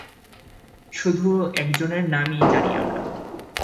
শুধু একজনের নামই জানি আমরা।